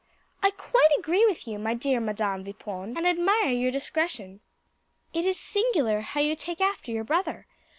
"I quite agree with you, my dear Madam Vipon, and admire your discretion. It is singular how you take after your brother.